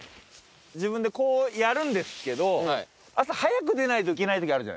自分でこうやるんですけど朝早く出ないといけない時あるじゃないですか。